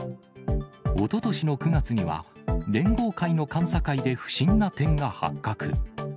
おととしの９月には、連合会の監査会で不審な点が発覚。